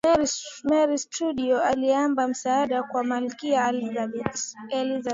mary stuart aliomba msaada kwa malkia elizabeth